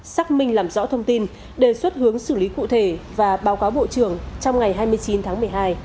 xác minh làm rõ thông tin đề xuất hướng xử lý cụ thể và báo cáo bộ trưởng trong ngày hai mươi chín tháng một mươi hai